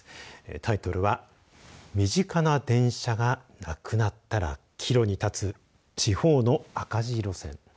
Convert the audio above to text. タイトルは身近な電車がなくなったら岐路に立つ地方の赤字路線。